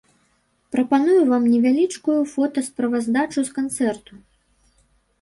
Прапаную вам невялічкую фота-справаздачу с канцэрту.